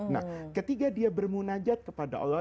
nah ketika dia bermunajat kepada allah